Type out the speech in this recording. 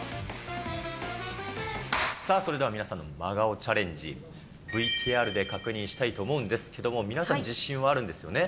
それでは皆さんの真顔チャレンジ、ＶＴＲで確認したいと思うんですけども、皆さん自信はあるんですよね。